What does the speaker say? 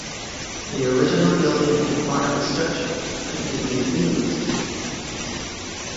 The original building and part of the structure could be reused.